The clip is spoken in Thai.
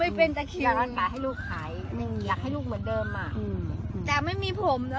ไม่เป็นแต่อยากให้ลูกหายอยากให้ลูกเหมือนเดิมอ่ะอืมแต่ไม่มีผมเนอะพี่ถ้าใส่ผมอ๋ออยากมีผมเดี๋ยวผมมันก็มา